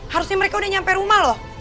harusnya mereka udah nyampe rumah loh